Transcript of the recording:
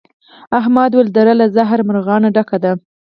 احمد وويل: دره له زهري مرغانو ډکه ده.